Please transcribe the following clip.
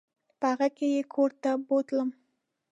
په هغه کې یې کور ته بوتلم.